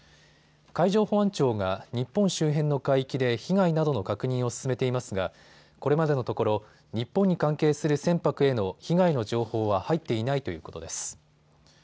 海上保安庁が日本周辺の海域で被害などの確認を進めていますがこれまでのところ日本に関係する船舶への被害の情報は入っていないということです。